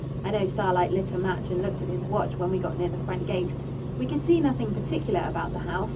I know Starlight lit a match and looked at his watch when we got near the front gate. We could see nothing particular about the house.